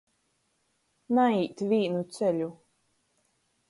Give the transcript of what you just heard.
Naīt vīnu ceļu.